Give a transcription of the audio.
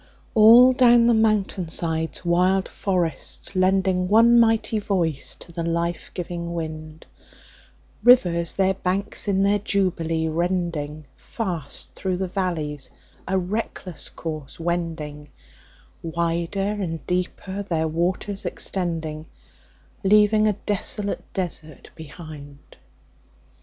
All down the mountain sides wild forests lending One mighty voice to the life giving wind, Rivers their banks in their jubilee rending, Fast through the valleys a reckless course wending, Wider and deeper their waters extending, Leaving a desolate desert behind.